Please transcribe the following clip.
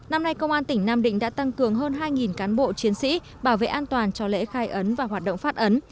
năm nay công an tỉnh nam định đã tăng cường hơn hai cán bộ chiến sĩ bảo vệ an toàn cho lễ khai ấn và hoạt động phát ấn